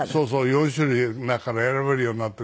４種類の中から選べるようになっていたりね。